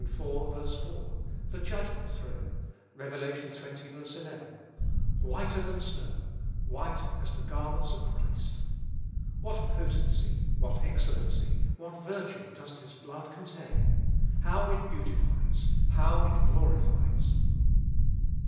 4) ; the judgment throne (Rev. xx. n), whiter than snow, white as the garments of Christ. What potency, what excellency, what virtue does this blood contain ! How it beautifies ! How it glorifies